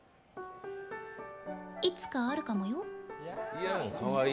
いつか、あるかもよ。